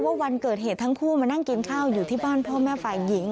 วันเกิดเหตุทั้งคู่มานั่งกินข้าวอยู่ที่บ้านพ่อแม่ฝ่ายหญิง